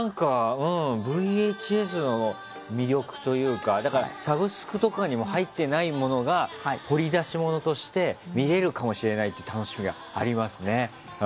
ＶＨＳの魅力というかサブスクとかにも入っていないものが掘り出し物として見れるかもしれないっていう楽しみがありますね。